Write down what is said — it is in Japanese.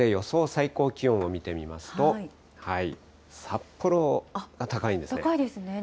最高気温を見てみますと、札幌が高いんですね。